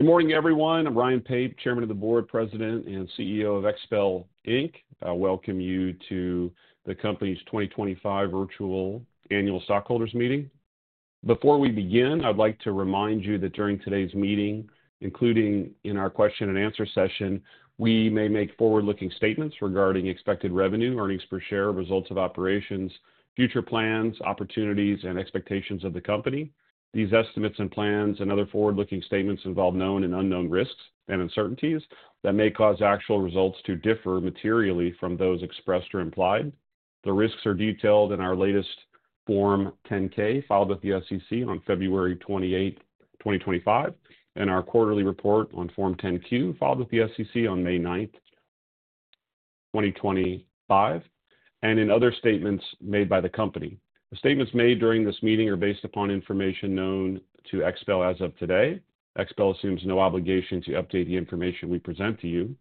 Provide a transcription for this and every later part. Good morning, everyone. I'm Ryan Pape, Chairman of the Board, President, and CEO of XPEL. I welcome you to the company's 2025 Virtual Annual Stockholders Meeting. Before we begin, I'd like to remind you that during today's meeting, including in our question-and-answer session, we may make forward-looking statements regarding expected revenue, earnings per share, results of operations, future plans, opportunities, and expectations of the company. These estimates and plans and other forward-looking statements involve known and unknown risks and uncertainties that may cause actual results to differ materially from those expressed or implied. The risks are detailed in our latest Form 10-K filed with the SEC on February 28, 2025, and our quarterly report on Form 10-Q filed with the SEC on May 9, 2025, and in other statements made by the company. The statements made during this meeting are based upon information known to XPEL as of today. XPEL assumes no obligation to update the information we present to you.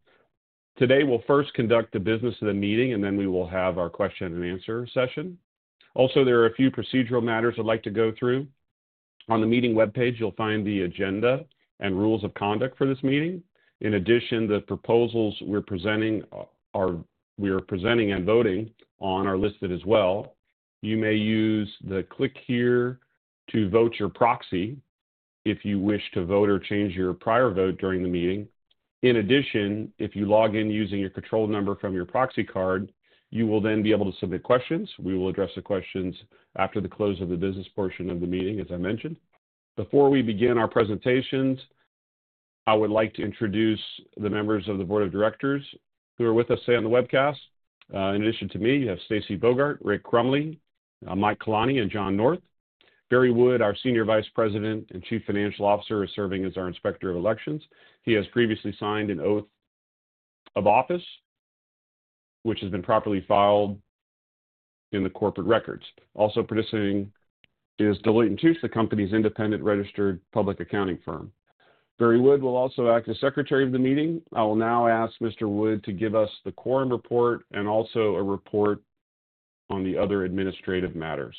Today, we'll first conduct the business of the meeting, and then we will have our question-and-answer session. Also, there are a few procedural matters I'd like to go through. On the meeting web page, you'll find the agenda and rules of conduct for this meeting. In addition, the proposals we are presenting and voting on are listed as well. You may use the "Click Here" to vote your proxy if you wish to vote or change your prior vote during the meeting. In addition, if you log in using your control number from your proxy card, you will then be able to submit questions. We will address the questions after the close of the business portion of the meeting, as I mentioned. Before we begin our presentations, I would like to introduce the members of the Board of Directors who are with us today on the webcast. In addition to me, you have Stacy Bogart, Richard Crumley, Michael Colani, and John North. Barry Wood, our Senior Vice President and Chief Financial Officer, is serving as our Inspector of Elections. He has previously signed an oath of office, which has been properly filed in the corporate records. Also participating is Deloitte & Touche, the company's independent registered public accounting firm. Barry Wood will also act as Secretary of the Meeting. I will now ask Mr. Wood to give us the quorum report and also a report on the other administrative matters.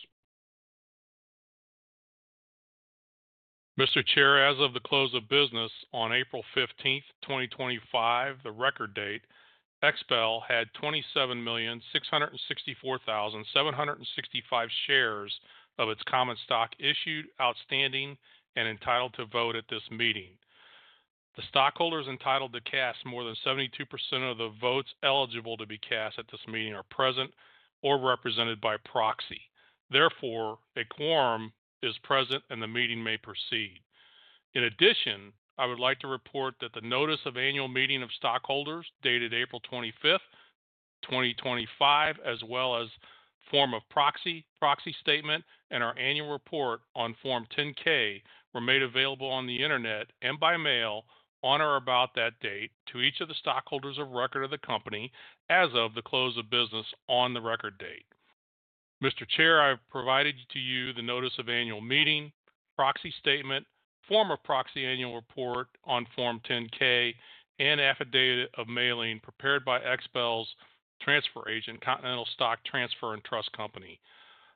Mr. Chair, as of the close of business on April 15, 2025, the record date, XPEL had 27,664,765 shares of its common stock issued, outstanding, and entitled to vote at this meeting. The stockholders entitled to cast more than 72% of the votes eligible to be cast at this meeting are present or represented by proxy. Therefore, a quorum is present, and the meeting may proceed. In addition, I would like to report that the notice of annual meeting of stockholders dated April 25, 2025, as well as a form of proxy statement and our annual report on Form 10-K were made available on the internet and by mail on or about that date to each of the stockholders of record of the company as of the close of business on the record date. Mr. Chair, I've provided to you the notice of annual meeting, proxy statement, form of proxy, annual report on Form 10-K, and affidavit of mailing prepared by XPEL's transfer agent, Continental Stock Transfer and Trust Company.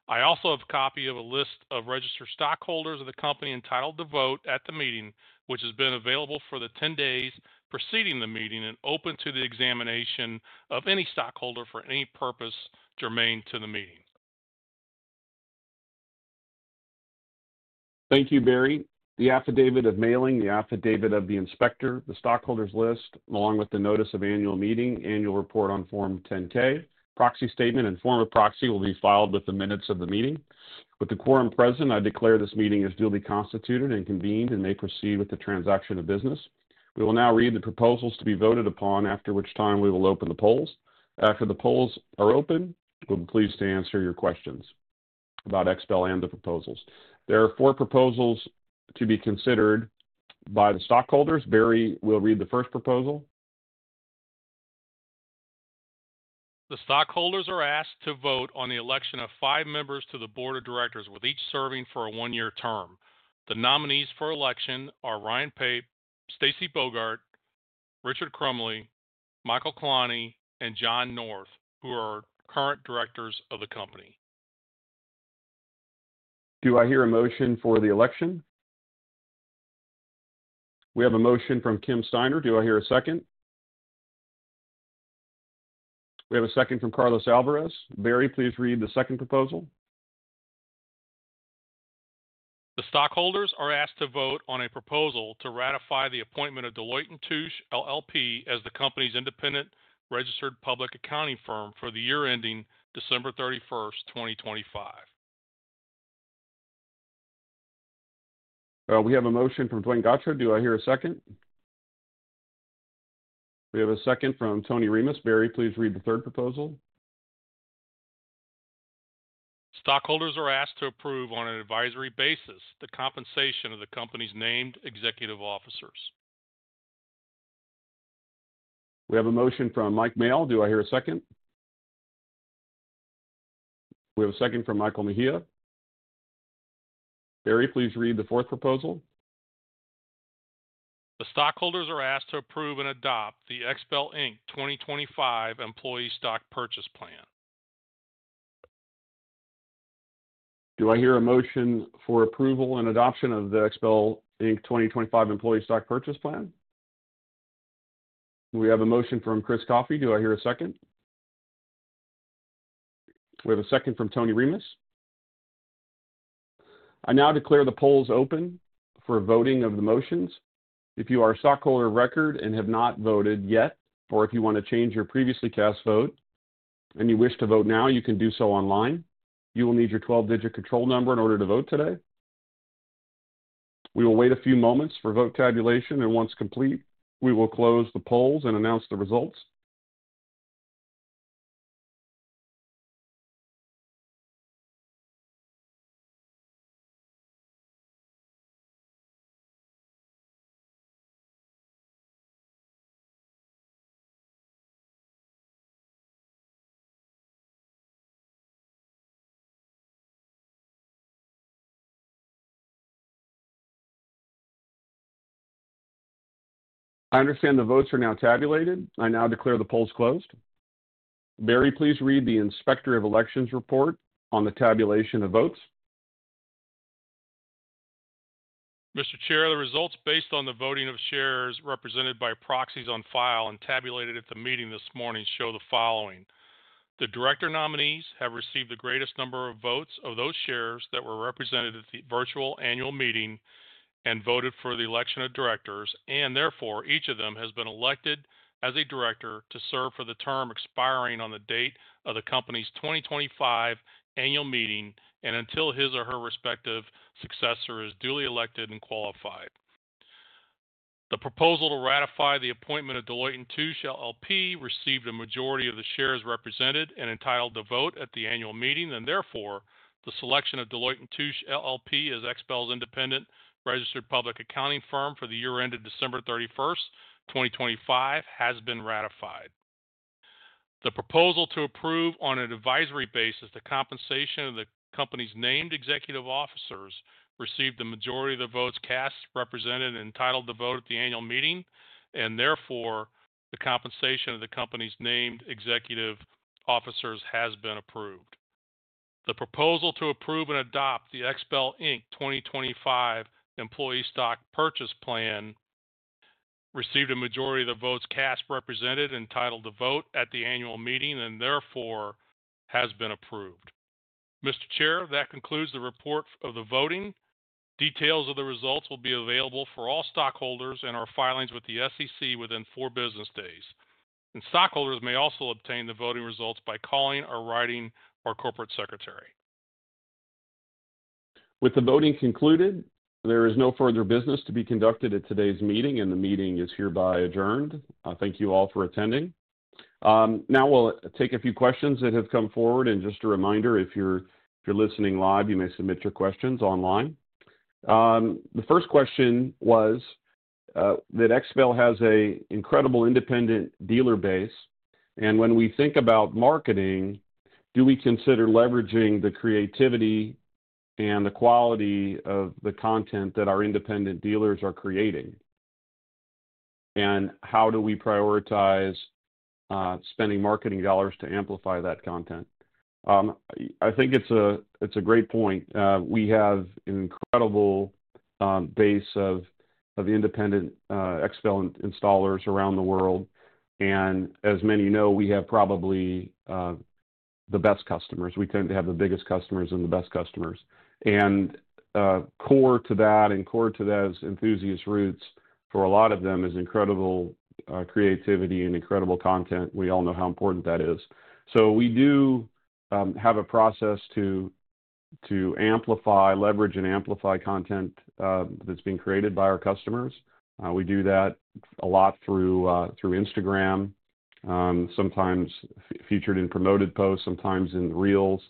I also have a copy of a list of registered stockholders of the company entitled to vote at the meeting, which has been available for the 10 days preceding the meeting and open to the examination of any stockholder for any purpose germane to the meeting. Thank you, Barry. The affidavit of mailing, the affidavit of the inspector, the stockholders' list, along with the notice of annual meeting, annual report on Form 10-K, proxy statement, and form of proxy will be filed with the minutes of the meeting. With the quorum present, I declare this meeting is duly constituted and convened and may proceed with the transaction of business. We will now read the proposals to be voted upon, after which time we will open the polls. After the polls are open, we'll be pleased to answer your questions about XPEL and the proposals. There are four proposals to be considered by the stockholders. Barry will read the first proposal. The stockholders are asked to vote on the election of five members to the Board of Directors, with each serving for a one-year term. The nominees for election are Ryan Pape, Stacy Bogart, Richard Crumley, Michael Colani, and John North, who are current directors of the company. Do I hear a motion for the election? We have a motion from Kim Steiner. Do I hear a second? We have a second from Carlos Alvarez. Barry, please read the second proposal. The stockholders are asked to vote on a proposal to ratify the appointment of Deloitte & Touche, LLP, as the company's independent registered public accounting firm for the year ending December 31, 2025. We have a motion from Dwayne Gotcha. Do I hear a second? We have a second from Tony Remus. Barry, please read the third proposal. Stockholders are asked to approve on an advisory basis the compensation of the company's named executive officers. We have a motion from Mike Mail. Do I hear a second? We have a second from Michael Mejia. Barry, please read the fourth proposal. The stockholders are asked to approve and adopt the XPEL 2025 Employee Stock Purchase Plan. Do I hear a motion for approval and adoption of the XPEL 2025 Employee Stock Purchase Plan? We have a motion from Chris Coffey. Do I hear a second? We have a second from Tony Remus. I now declare the polls open for voting of the motions. If you are a stockholder of record and have not voted yet, or if you want to change your previously cast vote and you wish to vote now, you can do so online. You will need your 12-digit control number in order to vote today. We will wait a few moments for vote tabulation, and once complete, we will close the polls and announce the results. I understand the votes are now tabulated. I now declare the polls closed. Barry, please read the Inspector of Elections report on the tabulation of votes. Mr. Chair, the results based on the voting of shares represented by proxies on file and tabulated at the meeting this morning show the following. The director nominees have received the greatest number of votes of those shares that were represented at the virtual annual meeting and voted for the election of directors, and therefore each of them has been elected as a director to serve for the term expiring on the date of the company's 2025 annual meeting and until his or her respective successor is duly elected and qualified. The proposal to ratify the appointment of Deloitte & Touche, LLP, received a majority of the shares represented and entitled to vote at the annual meeting, and therefore the selection of Deloitte & Touche, LLP, as XPEL's independent registered public accounting firm for the year ended December 31, 2025, has been ratified. The proposal to approve on an advisory basis the compensation of the company's named executive officers received the majority of the votes cast, represented, and entitled to vote at the annual meeting, and therefore the compensation of the company's named executive officers has been approved. The proposal to approve and adopt the XPEL 2025 Employee Stock Purchase Plan received a majority of the votes cast, represented, and entitled to vote at the annual meeting, and therefore has been approved. Mr. Chair, that concludes the report of the voting. Details of the results will be available for all stockholders in our filings with the SEC within four business days. Stockholders may also obtain the voting results by calling or writing our Corporate Secretary. With the voting concluded, there is no further business to be conducted at today's meeting, and the meeting is hereby adjourned. Thank you all for attending. Now we'll take a few questions that have come forward, and just a reminder, if you're listening live, you may submit your questions online. The first question was that XPEL has an incredible independent dealer base, and when we think about marketing, do we consider leveraging the creativity and the quality of the content that our independent dealers are creating, and how do we prioritize spending marketing dollars to amplify that content? I think it's a great point. We have an incredible base of independent XPEL installers around the world, and as many know, we have probably the best customers. We tend to have the biggest customers and the best customers. Core to that is enthusiast roots for a lot of them is incredible creativity and incredible content. We all know how important that is. We do have a process to amplify, leverage, and amplify content that's being created by our customers. We do that a lot through Instagram, sometimes featured in promoted posts, sometimes in reels,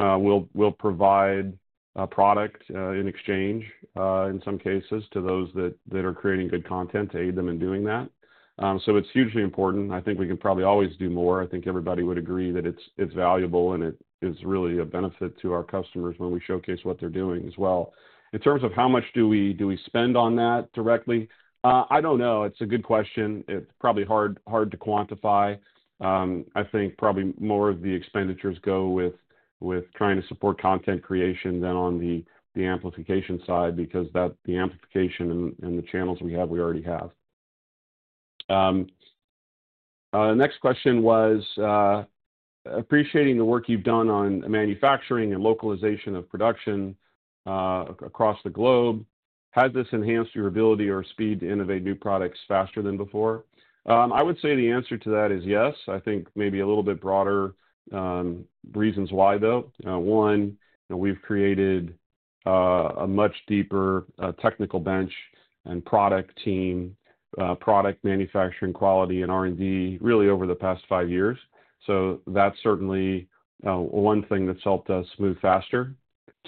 and we also will provide a product in exchange in some cases to those that are creating good content to aid them in doing that. It's hugely important. I think we can probably always do more. I think everybody would agree that it's valuable, and it is really a benefit to our customers when we showcase what they're doing as well. In terms of how much do we spend on that directly, I don't know. It's a good question. It's probably hard to quantify. I think probably more of the expenditures go with trying to support content creation than on the amplification side because the amplification and the channels we have, we already have. Next question was, appreciating the work you've done on manufacturing and localization of production across the globe, has this enhanced your ability or speed to innovate new products faster than before? I would say the answer to that is yes. I think maybe a little bit broader reasons why, though. One, we've created a much deeper technical bench and product team, product manufacturing quality and R&D really over the past five years. So that's certainly one thing that's helped us move faster.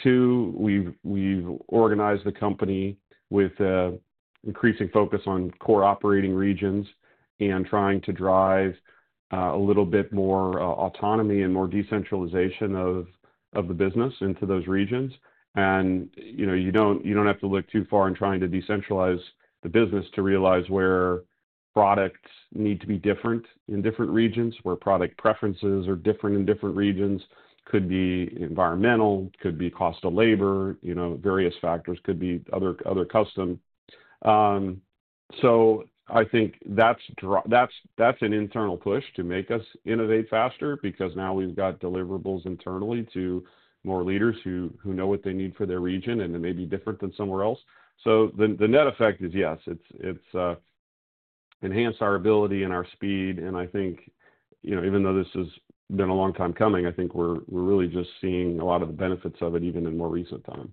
Two, we've organized the company with increasing focus on core operating regions and trying to drive a little bit more autonomy and more decentralization of the business into those regions. You do not have to look too far in trying to decentralize the business to realize where products need to be different in different regions, where product preferences are different in different regions. It could be environmental, it could be cost of labor, various factors, could be other custom. I think that is an internal push to make us innovate faster because now we have got deliverables internally to more leaders who know what they need for their region, and it may be different than somewhere else. The net effect is yes, it has enhanced our ability and our speed, and I think even though this has been a long time coming, I think we are really just seeing a lot of the benefits of it even in more recent time.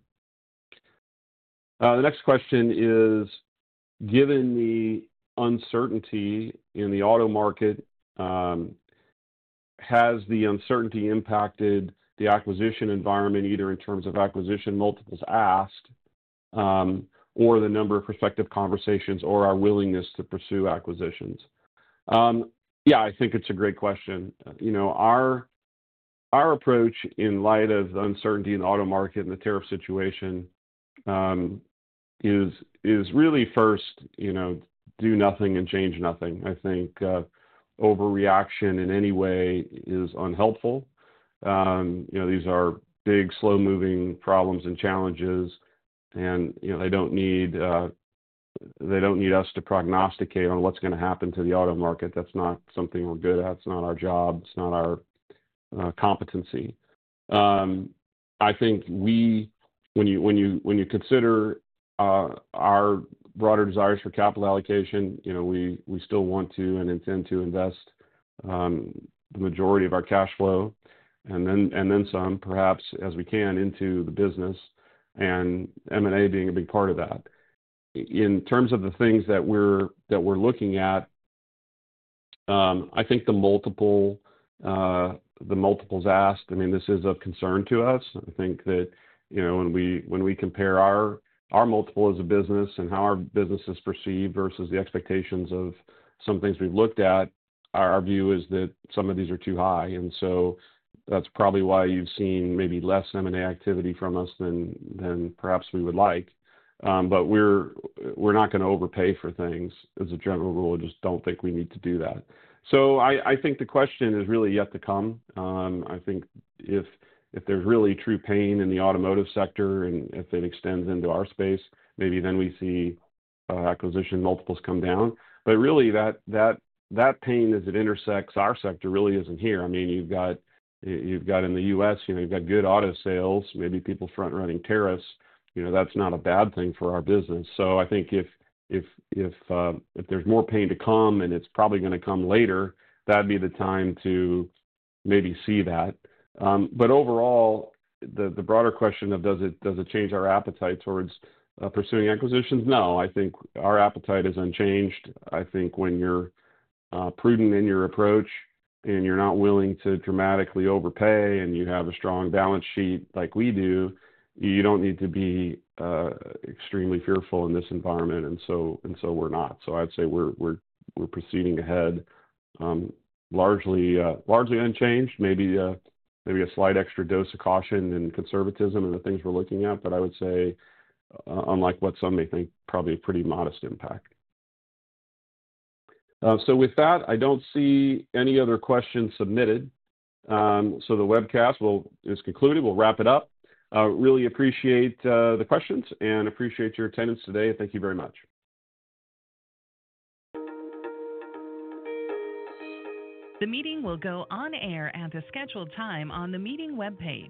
The next question is, given the uncertainty in the auto market, has the uncertainty impacted the acquisition environment either in terms of acquisition multiples asked or the number of prospective conversations or our willingness to pursue acquisitions? Yeah, I think it's a great question. Our approach in light of the uncertainty in the auto market and the tariff situation is really first do nothing and change nothing. I think overreaction in any way is unhelpful. These are big, slow-moving problems and challenges, and they don't need us to prognosticate on what's going to happen to the auto market. That's not something we're good at. It's not our job. It's not our competency. I think when you consider our broader desires for capital allocation, we still want to and intend to invest the majority of our cash flow and then some, perhaps as we can, into the business and M&A being a big part of that. In terms of the things that we're looking at, I think the multiples asked, I mean, this is of concern to us. I think that when we compare our multiple as a business and how our business is perceived versus the expectations of some things we've looked at, our view is that some of these are too high. That is probably why you've seen maybe less M&A activity from us than perhaps we would like. We're not going to overpay for things as a general rule. I just don't think we need to do that. I think the question is really yet to come. I think if there's really true pain in the automotive sector and if it extends into our space, maybe then we see acquisition multiples come down. Really, that pain as it intersects our sector really isn't here. I mean, you've got in the U.S., you've got good auto sales, maybe people front-running tariffs. That's not a bad thing for our business. I think if there's more pain to come and it's probably going to come later, that'd be the time to maybe see that. Overall, the broader question of does it change our appetite towards pursuing acquisitions? No, I think our appetite is unchanged. I think when you're prudent in your approach and you're not willing to dramatically overpay and you have a strong balance sheet like we do, you don't need to be extremely fearful in this environment, and so we're not. I'd say we're proceeding ahead largely unchanged, maybe a slight extra dose of caution and conservatism in the things we're looking at, but I would say unlike what some may think, probably a pretty modest impact. With that, I don't see any other questions submitted. The webcast is concluded. We'll wrap it up. Really appreciate the questions and appreciate your attendance today. Thank you very much. The meeting will go on air at a scheduled time on the meeting webpage.